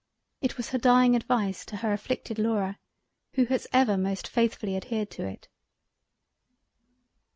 It was her dieing Advice to her afflicted Laura, who has ever most faithfully adhered to it.